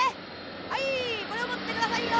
はいこれをもってくださいよ」。